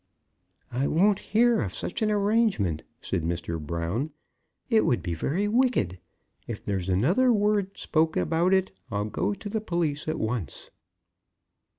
"I won't hear of such an arrangement," said Mr. Brown. "It would be very wicked. If there's another word spoke about it, I'll go to the police at once!"